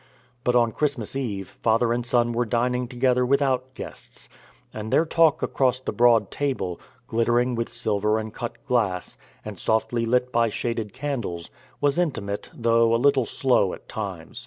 But on Christmas Eve father and son were dining together without guests, and their talk across the broad table, glittering with silver and cut glass, and softly lit by shaded candles, was intimate, though a little slow at times.